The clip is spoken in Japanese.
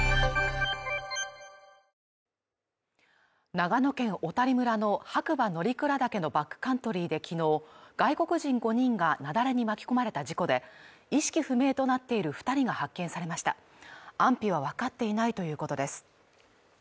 長野県小谷村の白馬乗鞍岳のバックカントリーできのう外国人５人が雪崩に巻き込まれた事故で意識不明となっている二人が発見されました安否は分かっていないということです